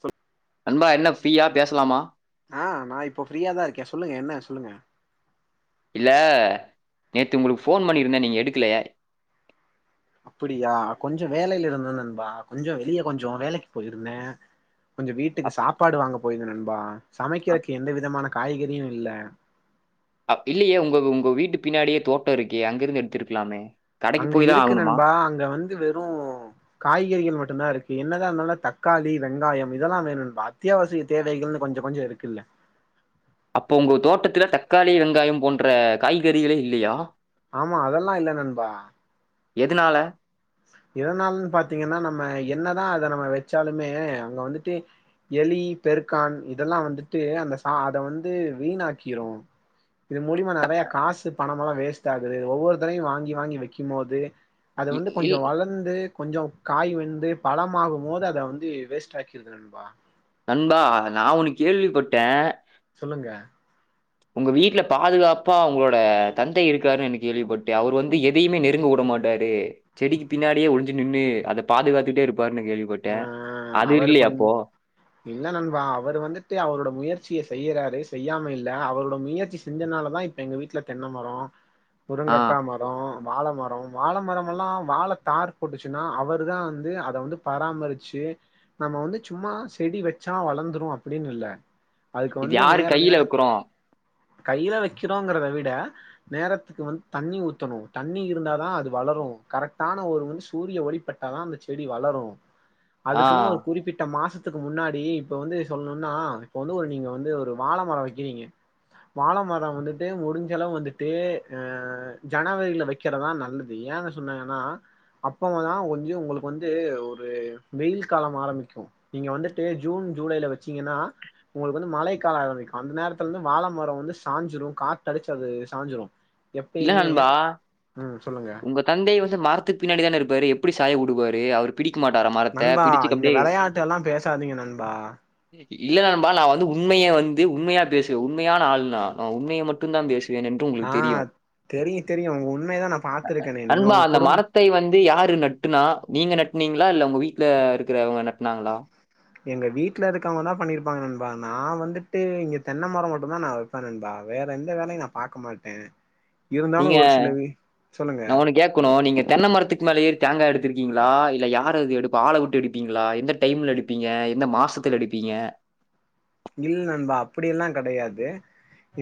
சொ நண்பா என்ன ஃப்ரீயா பேசலாமா ஆ நான் இப்போ ஃப்ரியா தான் இருக்கேன் சொல்லுங்க என்ன சொல்லுங்க இல்ல நேத்து உங்களுக்கு ஃபோன் பண்ணிருந்தேன் நீங்க எடுக்கல அப்டியா கொஞ்சம் வேலையில இருந்தேன் நண்பா கொஞ்சம் வெளியே கொஞ்சம் வேலைக்கு போயிருந்தேன் கொஞ்சம் வீட்டுக்கு அப் சாப்பாடு வாங்க போயிருது நண்பா அப் சமைக்கிறதுக்கு எந்த விதமான காய்கறியும் இல்ல இல்லையே உங்க உங்க வீட்டு பின்னாடியே தோட்டம் இருக்கே அங்க இருந்து எடுத்திருக்கலாமே கடைக்கு அங்க போய் தான் இருக்கு ஆகணுமா நண்பா அங்க வந்து வெறும் காய்கறிகள் மட்டும்தான் இருக்கு என்னதான் இருந்தாலும் தக்காளி வெங்காயம் இதெல்லாம் வேணும் நண்பா அத்தியாவசிய தேவைகள்னு கொஞ்சம் கொஞ்சம் இருக்குல்ல அப்ப உங்க தோட்டத்துல தக்காளி வெங்காயம் போன்ற காய்கறிகளே இல்லையா ஆமா அதெல்லாம் இல்ல நண்பா எதுனால இருந்தாலுமே பாத்தீங்கன்னா நம்ம என்னதான் அதை நம்ம வச்சாலுமே அங்க வந்துட்டு எலி பெருக்கான் இதெல்லாம் வந்துட்டு அந்த சா அத வந்து வீணாக்கிரும் இது மூலியமா நெறைய காசு பணம் எல்லாம் வேஸ்ட் ஆகுது ஒவ்வொருத்தரவையும் வாங்கி வாங்கி விக்கும் போது அது இ- வந்து இல் வந்து கொஞ்சம் காய் வந்து பழமாகும் போது அத வந்து வேஸ்ட் ஆக்கிருது நண்பா நண்பா நான் ஒன்னு கேள்விப்பட்டேன் சொல்லுங்க உங்க வீட்ல பாதுகாப்பா அவங்களோட தந்தை இருக்காருன்னு கேள்விப்பட்டே அவர் வந்து எதையுமே நெருங்க விட மாட் ராரு செடிக்கு பின்னாடியே ஒளிஞ்சு நின்னு அதை பாதுகாத்துட்டே இருப்பார்ருனு கேள்வி ப அ அவரு கொஞ் இல்ல நண்பா அவரு வந்துட்டு அவரோட முயற்சிய செய்யறாரு செய்யாம இல்ல அவரோட முயற்சி செஞ்சனாலதான் இ எங்க வீட்ல தென்ன மரோம் ஆ முருங்கக்கா மரோ ம் வாழ மரம் வாழ மரமெல்லாம் வாழ தார் போட்டுச்சுன்னா அவரு தான் வந்து அத வந்து பராமரிச்சு நம்ம வந்து சும்மா செடி வச்சா வளர்ந்துரும் அப்டின்னு இல்ல அதுக்கு இது வந்து யாரு நேர நேர கையில வெக்குறோ கையில வெக்கிறோங்கறத விட நேரத்துக்கு வந்து தண்ணி ஊத்தணு தண்ணி இருந்தா தா அது வளரு கரெக்டான ஒரு சூரிய ஒலி பட் டாதா அந்த செடி வளரு ஆ. அதுக்குன்னு ஒரு குறிப்பிட்ட மாசத் துக்கு முன்னாடி இப்ப வந்து சொல்ணுன்னா இப்ப வந்து ஒரு நீங்க வந்து ஒரு வாழ மரோ வக்கிறீங்க வாழ மரோ வந்துட்டு முடிஞ்சளவு வந்துட்டு அ ஜனவரில வைக் கறதா நல்லது ஏன்னு சொன்னீங்கன்னா அப்பவ தா வந்து உங்களுக்கு வந்து அ வெயில் காலம் ஆரம்பிக்கு நீங்க வந்துட்டு ஜூன் ஜூலைல வச்சீங்கன்னா உங்களுக் வந்து மழை கால ஆரம்பக்கு அந்த நேரத்துல இருந்து வாழ மரம் வந்து சாஞ்சிரு காத்து அடிச்சு அது சாஞ்சிரு இல்ல எப்பயுமே நண்பா, ம் சொல்லுங்க உங்க தந்தையே வந்து மரத்துக் பின்னாடி தான இருப்பாரு எப்படி சாய உடுவாரு அவரு பிடிக்க மாட்டாரா மரத்த நண்பா பிடிச்சு இந்த அப்டி வெளையாட்டு எல்லா பேசாதீங்க நண்பா இல்ல நண்பா நா வந்து உண்மைய வந்து உண்மையா பேசுவே உண்மையான ஆள் நா நா உண்மைய மட்டு தா பேசு ஆ தெரியு தெரியு உங்க உண்மையதா நா பாத்துருக்கேனே நீங்க உங் குடும் த்தை வந்து யாரு நட்டுனா நீங்க நட்னீங்களா இல்ல உங்க வீட்டுல இருக்கிறங்க நட்டுனாங்களா எங்க வீட்ல இருக்கவங்க தா பண்ணிருப்பாங்க நண்பா நா வந்துட்டு இங்க தென்ன மரோ மட்டுதா நா வெப் ப நண்பா வேற எந்த வேலையு நா பாக்க மாட்டே இருந்தாலு நீங்க ஒரு சில வி சொல்லுங்க ந ஒண்ணு கேட்கணு நீங்க தென்ன மரத்துக் மேல ஏறி தேங்கா எடுத்திருக்கீங்களா இல்ல யாரது எடுப்பா ஆள உட்டு எடுப்பீங்களா எந்த டைம்ல எடுப் பீங்க எந்த மாசத்துல எடிப்பீங்க இல் நண்பா அப்படி எல்லா கிடையாது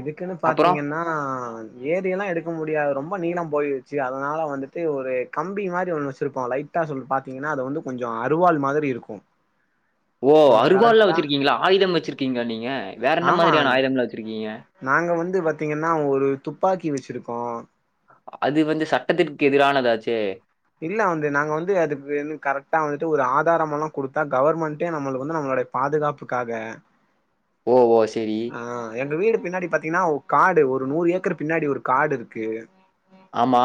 இதுக்குன்னு பாத்தீங்கன்னா [unintelligible] ஏறி எல்லா எடுக்க முடியாது ரொம்ப நீளம் போயிருச்சு அதனால வந்துட்டு ஒரு கம்பி மாரி ஒண்ணு வச்சிருப்போ லைட் டா சொல் பாத்தீங்கன்னா அது வந்து கொஞ்சோ அறுவாள் மாதிரி இருக்கு ஓ நம்ம அறுவாள்லா கரெக்டா வச்சிருக்கீங்களா ஆயுதம் வச்சிருக்கீங்களா நீங்க வேற என்ன ஆமா மாரியான ஆயுதம் எல்லா வச்சிருக்கீங்க நாங்க வந்து பாத்தீங்ன்னா ஒரு துப்பாக்கி வச்சிருக்கோ அது வந்து சட்டத்திற்கு எதிரானதாச்சே இல்ல வந்து நாங்க வந்து அதுக்கு கரெக்டா வந்துட்டு ஒரு ஆதாரம் எல்லாம் கொடுத்தா கவர்மெண்ட்டே நம்மளுக் வந்து நம்மளோட பாதுகாப்புக்காக [unintelligible] ஓ! சரி. ஆ எங்க வீடு பின்னாடி பாத் தினா காடு ஒரு நூறு ஏக்கர் பின்னாடி ஒரு காடு இருக்கு ஆமா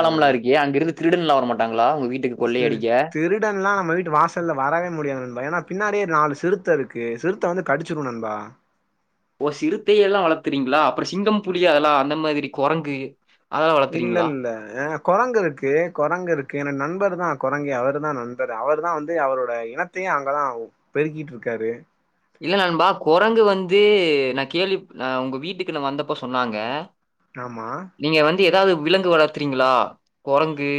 ஆ இருக்கே அங்கிருந்து திருடன்லா வரமாட்டாங்களா உங்க வீட் ம் திருடன்லா நம்ம வீட்டு வாச ல்ல வரவே முடியாது நண்பா ஏன்னா பின்னாடியே நாலு சிறுத்த இருக்கு சிறுத்த வந்து கடிச்சிரு நண்பா ஓ சிறுத்தையல்லா வளத்துறீங்களா அப்புற சிங்கம் புளி அதெல்லா அந்த மாரி குரங்கு அதெல்லாம் வளர்த்துறீங்களா? இல்லல்ல குரங்கு இருக்கு குரங்கு இருக்கு என் நண்பர் தா குரங்கே அவர் தா நண்பர் அவர் தா வந்து அவரோட இனத் தையே அங்கதா பெருக்கிட்டு இருக்கிட் இருக்காரு இல்ல நண்பா குரங்கு வந்து நா கேள்வி ந உங்க வீட்டுக்கு நா வந்தப்ப சொன்னாங்க ஆமா நீங்க வந்து எதாவது விலங்கு வளத்துறீங்களா கொரங்கு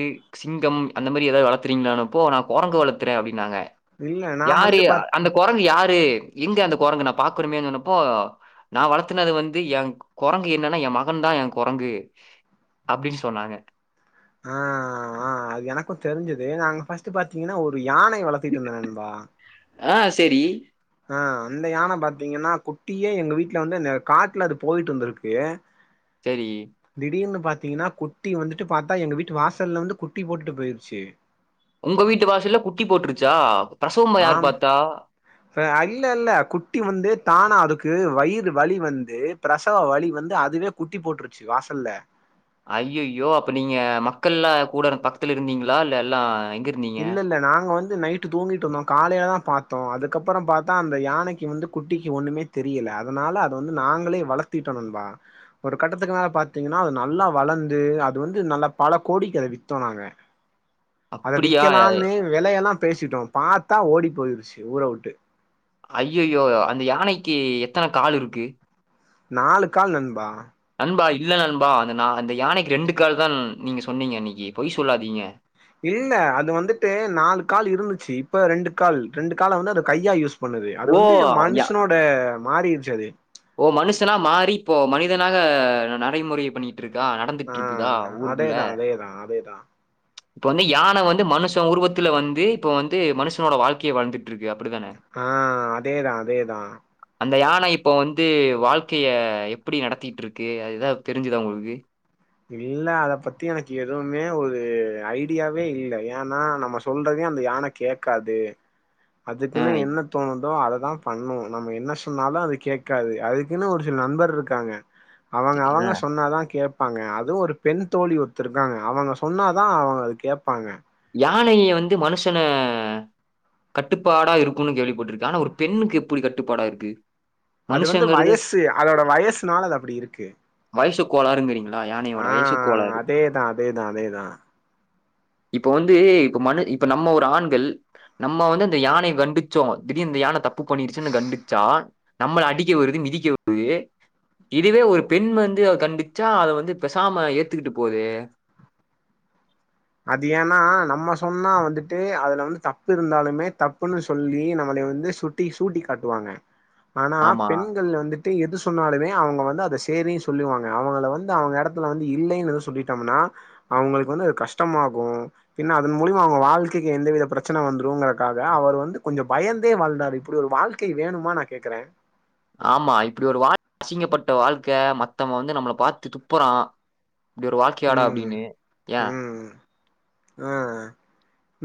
சிங்கம் அந்த மாரி எதாவது வளத்துறீங்களானப்போ நா கொரங்கு வளத்துறே அப்டின்னாங்க இல்ல நா யாரு வந்து பாத் அந்த குரங்கு யாரு எங்க அந்த குரங்கு நா பாக்குறனப்போ நா வளத்துனது வந்து எ கொரங்கு என்னன்னா எ மகன் தா எ கொரங்கு அப்டின்னு சொன்னாங்க ஆ ஆ ஆ ஆ அது எனக்கும் தெரிஞ்சது நாங்க ஃபஸ்ட் பாத்தீங்கன்னா ஒரு யானை வளர்த்திட்டு இருந்த நண்பா ஆ சேரி ஆ அந்த யான பாத்தீங்கன்னா குட்டியே எங்க வீட்ல வந்து இந்த காட்ல அது போய்ட்டு இந்துருக்கு சேரி திடீர்னு பாத்தீங்கன்னா குட்டி வந்துட்டு பார்த்தா எங்க வீட்டு வாசல்ல வந்து குட்டி போட்டுட்டு போயிருச்சு உங்க வீட்டு வாசல்ல குட்டி போட்டுருச்சா பிரசவமா யாரு பார்த்தா ஆ அல்ல அல்ல குட்டி வந்து தானா அதுக்கு வயிறு வலி வந்து பிரசவ வலி வந்து அதுவே குட்டி போட்டுருச்சு வாசல்ல ஐய்யய்யோ அப்ப நீங்க மக்கள் எல்லாம் கூட இரு பக்கத்துல இருந்தீங்களா இல்ல எல்லா எங்க இருந்தீங்க? இல்ல இல்ல நாங்க வந் து நைட்டு தூங்கிட்ருந்தோம் காலைல தான் பாத்தோம் அதுக்கப்பறம் பாத்தா அந்த யானைக்கு வந்து குட்டிக்கு ஒண்ணுமே தெரில அதனால அத வந்து நாங்களே வளத்திட்டோ நண்பா ஒரு கட்டத்துக்கு மேல பாத்தீங்கன்னா அது நல்லா வளர்ந்து அது வந்து நல்லா பல கோடிக்கு அத வித்தோம் நாங்க அப்டியா அ விலையெல்லாம் பேசிட்டோம் பார்த்தா ஓடி போயிருச்சு ஊற உட்டு ஐய்யய்யோ அந்த யானைக்கு எத்தன கால் இருக்கு நாலுக் கால் நண்பா நண்பா இல்ல நண்பா அந்த அந்த யானைக்கு ரெண்டு கால் தான் நீங்க சொன்னீங்க அன்னிக்கு பொய் சொல்லாதீங்க இல்ல அது வந்துட்டு நாலு கால் இருந்துச்சு இப்ப ரெண்டு கால் ரெண்டு கால வந்து அது கையா யூஸ் பண்ணுது அது வந்து ஓ! மனுஷனோட மாறிருச்சு அது ஓ மனுசனா மாறி இப்போ மனிதனாக நடைமுறை பண்ணி ட்டிருக்கா நடந்துட்ருக்குதா ஊருக்குள்ள அதேதான் அதேதான் இப்ப வந்து யானை வந்து மனுஷன் உருவத்துல வந்து இப்ப வந்து மனுஷனோட வாழ்க்கையை வாழ்ந்துட்டு இருக்கு அப்டிதானே ஆ அதேதான் அதேதான் அந்த யானை இப்போ வந்து வாழ்க்கைய எப்டி நடத்திட்டு இருக்கு அதுஎதா தெரிஞ்சுதா உங்களுக்கு இல்ல அத பத்தி எனக்கு எதுவுமே ஒரு ஐடியாவே இல்ல ஏனா நம்ம சொல்றதே அந்த யான கேக்காது ஆ அதுக்குன்னு என்ன தோணுதோ அததா பண்ணும் நம்ம என்ன சொன்னாலும் அது கேட்காது அதுக்குன்னு ஒரு சில நண்பர் இருக்காங்க அவங்க ஆ அவங்க சொன்னாதான் கே ப்பாங்க அது ஒரு பெண் தோழி ஒருத்த இருக்காங்க அவங்க சொன்னாதான் அவங்க அது கேட்பாங்க யானைய வந்து மனுஷன கட்டுப்பாடா இருக்கும்னு கேள்விப்பட்டிருக்க ஆனா ஒரு பெண்ணுக்கு எப்டி கட்டுப்பாடா இருக்கு அது வந்து மனுஷங்கிறது வயசு அதோட வயசுனால அது அப்டி இருக்கு வயசு கோளாருங்கிறீங்களா யானையோட வயசு கோளாறு அதேதா‌அதேதா இப்ப வந்து இப்ப மனு இப்ப நம்ம ஒரு ஆண்கள் நம்ம வந்து இந்த யானையை கண்டிச்சோம் திடீர் இந்த யானை தப்பு பண்ணிருச்சுன்னு கண்டிச்சா நம்மள அடிக்க வருது மிதிக்க வருது இதுவே ஒரு பெண் வந்து கண்டிச்சா அத வந்து பெசாம ஏத்துக்கிட்டு போதே அது ஏன்னா நம்ம சொன்னா வந்துட்டு அதுல வந்து தப்பு இருந்தாலுமே தப்புன்னு சொல்லி நம்மளை வந்து சு ட்டி சூட்டி காட்டுவாங்க ஆனா ஆமா, பெண்கள் வந்துட்டு எது சொன்னாலுமே அவுங்க வந்து அத சேரின்னு சொல்லுவாங்க அவுங்கள வந்து அவுங்க யடத்ல வந்து இல்லைன்னு எது சொல்லிட்டோம்னா அவுங்களுக்கு வந்து அது கஷ்டமாகு பின் அதன் மூலமா அவுங்க வாழ்க்கைக்கு எந்தவித பிரச்சன வந்துருக்காக அவர் வந்து கொஞ்சோ பயந்தே வாழ்ந்தாரு இப்டி ஒரு வாழ்க்க க வேணுமா நா கேக்குறே ஆமா இப்படி ஒரு வாழ்க்கை அசிங்கப்பட்ட வாழ்க்கை மத்தவ வந்து நம்மள பாத்து துப்புறா இப்டி ஒரு வாழ்க்கையாடா ம் அப்டின்னு ஏன் ம் ஆ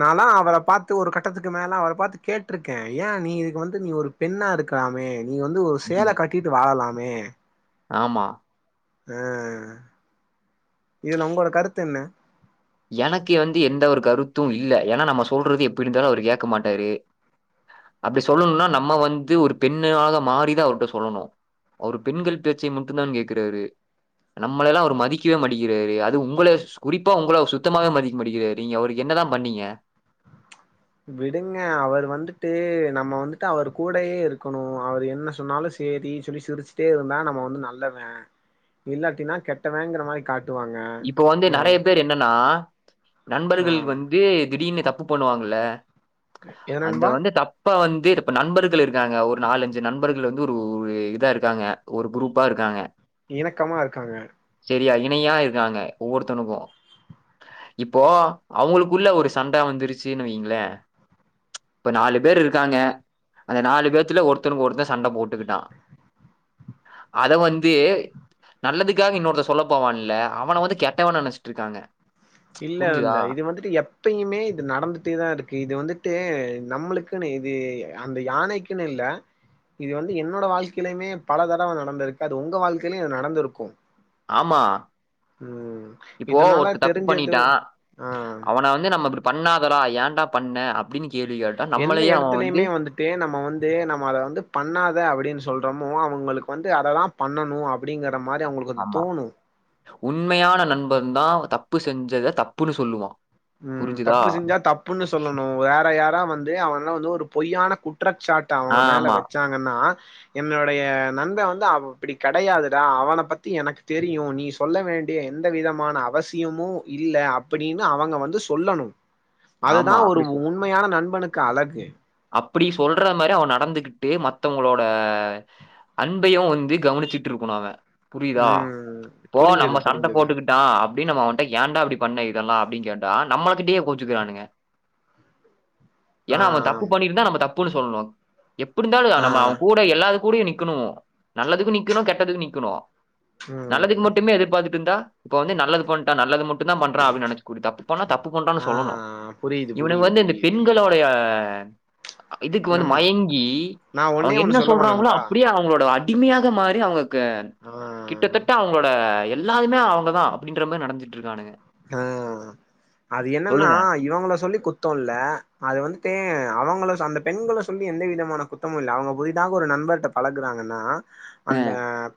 நாலா அவள பாத்து ஒரு கட்டத்துக்கு மேல அவள பாத்து கேட்டிருக்கே ஏன் நீ இதுக்கு வந்து நீ ஒரு பெண்ணா இருக்கலாமே நீ வந்து ஒரு சேல ம். கட்டிட்டு வாழலாமே ஆமா ஆ இதுல உங்களோட கருத்து என்ன எனக்கு வந்து எந்த ஒரு கருத்து இல்ல ஏனா நம்ம சொல்றது எப்டி இருந்தாலு அவரு கேட்க மாட்டாரு அப்டி சொல்ணும்னா நம்ம வந்து ஒரு பெண்ணாக மாறிதா அவர்கிட்ட சொல்லணு அவரு பெண்கள் பேச்ச மட்டு தா கேக்குறாறு நம்மளல்லா அவரு மதிக்கவே மடிக்கிறாரு அது உங்களை குறிப்பா உங்கள சுத் தமாவே மதிக்க மாடிக்கிறாறு நீங்க அவருக்கு என்னதா பண்ணீங்க விடுங்க அவர் வந்துட்டு நம்ம வந்துட்டு அவர் கூடயே இருக்கணு அவரு என்ன சொன்னாலு சேரி சொல்லி சிரிச்சிட்டே இருந்தா நம்ம வந்து நல்லவே இல்லடினா கெட்டவேங்கற மாதிரி காட் வாங்க இப்போ வந்து நெறைய பேர் என்னன்னா நண்பர்கள் வந்து திடீர்னு தப்பு பண்ணுவாங்கல என்ன அது நண்பா வந்து நம் இப்ப வந்து இப்ப நண்பர்கள் இருக்காங்க ஒரு நாலஞ்சு நண்பர்கள் வந்து ஒரு இதா இருக்காங்க ஒரு குரூப்பா இருக்காங்க இணக்கமா இருக்காங்க சேரியா இணியா இருக்காங்க ஒவ்வொருத்தவனுக்கு இப்போ அவுங்களுக்குள்ள ஒரு சண்டை வந்துருச்சுன்னு வைங்களே இப்ப நாலு பேர் இருக்காங்க அந்த நாலு பேத்துல ஒருத்தருக்கு ஒருத்தே சண்ட போட்டுக்கிட்டா அது வந்து நல்லதுக்காக இன்னொருத்தே சொல்ல போவான்ல அவன வந்து கெட்டவன நனச்சிட்டு இருக்காங்க இல்ல புரிஞ்சுதா இல்ல இது வந்துட்டு எப் எப்பயுமே இது நடந்துட்டேதா இருக்கு இது வந்துட்டு நம்மளுக்குன்னு இது அந்த யானைக்குன்னு இல்ல இது வந்து என்னோட வாழ்க்கையிலையுமே பல தடவ நடந்திருக்கு அது உங்க வாழ்க்கையிலயும்ம நடந்துருக்கு ஆமா இப்போ இதனால ஒருத்தன் தப்பு தெரிஞ்சது பண்ணிட்டா ஆ அவன வந்து நம்ம இடி பண்ணாதடா ஏன்டா பண்ண அப்டின்னு கேள்வி கேட்டா நம்மளே அவன் வந்து இப்பயே நம்ம வந்து நம்ம அத வந்து பண்ணாத அப்டின்னு சொல்றோமோ அவுங்களுக்கு வந்து அதல்லா பண்ணணு அப்டிங்கற மாரி அவுங்களுக்கு ஆமா உண்மையான நண்பன் தா தப்பு செஞ்சத தப்புன்னு சொல்லுவா ம் தப்பு செஞ்சா தப்புன்னு சொல்லணு வேற யாரோ வந்து அவனால வந்து ஒரு பொய்யான குற்றச்சாட்டு தா ஆ அவுங்க மேல ஆமா வச்சாங்கன்னா என்னனுடைய நண்பன் வந்து அவ அப்டி கிடையாதுடா அவன பத்தி எனக்கு தெரியு நீ சொல் சொல்ல வேண்டிய எந்த விதமான அவசியமும் இல்ல அப்படின்னு அவங்க வந்து து சொல்லணு அதுதா ஆமா ஒரு அப்டி உண்மையான நண்பனுக்கு அழகு அப்படி சொல்ற மாறி அவன் நடந்துகிட்டு மத்தவங்களோட அன்பையு வந்து கவனிச்சுட்டு இருக்கனு அவன் புரியுதா ம் இப்போ நம்ம புரிஞ்சது சண்ட புரிஞ்சது போட்டுக்கிட்டு ட்டான் அப்படின்னு நம்ம அவன்கிட்ட ஏன்டா அப்டி பண்ண இதெல்லா அப்டின்னு கேட்டா நம்மகிட்டே கோச்சுக்கிறானுங்க ஆ ஏன்னா அவன் தப்பு பண்ணிருந்தா நம்ம தப்புன்னு சொல்லணும் எப்படி இருந்தாலும் ஆ நம்ம அவன் கூ எல்லாத கூட நிக்கணும் நல்லதுக்கு நிக்கணும் கெட்டதுக்கு நிக்கணும் நல்லதுக்கு ம் மட்டுமே எதிர்பார்த்துட்டு இருந்தா இப்ப வந்து நல்லது பண்டா நல்லது மட்டும் தான் பண்றான் அப்படின்னு நினைச்ச கூ தப்பு பன்னா தப்பு பன்டாங்க ஆ சொல்லணு புரியுது இவனுக்கு புரியுது வந்து இந்த புரியுது பெண்களோடைய இதுக்கு வந்து நம் மயங்கி நா ஒன்னே அவங்க ஒண்ணு என்ன சொல்லவா சொல்றாங்களோ நண்பா அப்படியே அவங்களோட ஆ டிமையாக மாறி அவங்கக்கு ம். கிட்டத்தட்ட அவங்களோட எல்லாதுமே அவங்கதா அப்டின்ற மாறி நடத்திட்டு இருக்கானுங்க ஆ அது என்னன்னா சொல்லுங்க இவங்கல சொல்லி குத் குத்தோம் இல்ல அது வந்துட்டு அவங்கள அந்த பெண்கள சொல்லி எந்த விதமான குத்தமு இல்ல அவங்க புதிதாக ஒரு நண்பர்கிட்ட பழகுறாங்கன்னா அந்த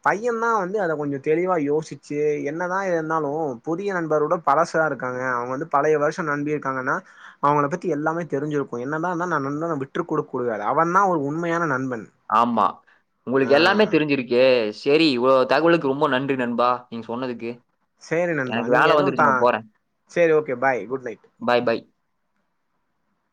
பை யன் தான் வந்து அத கொஞ்சம் தெளிவா யோசிச்சு என்னதான் இருந்தாலும் புதிய நண்பரோட பழசா இருக்காங்க அவங்க வந்து பழைய வர்சன் அனுப்பி இருக்காங்கன்னா அவங்கள பத்தி எல்லாமே தெரிஞ்சிருக்கும் என்னதான்தான் நா நண்பன விட்டு கொடக்க கூடாது அவன் தான் ஒரு உண்மையான நண்பன் ஆமா ஆ உங்களுக்கு எல்லாமே தெரிஞ்சிருக்கு ஏ சரி இவ்ளோ தகவலுக்கு ரொம்ப நன்றி நண்பா நீங்க சொன்னதுக்கு சேரி நண்பா எனக்கு நீங்க வேலை எதுவும் வந்துருச்சு தா நான் போறேன் சேரி okay bye good night bye பாய்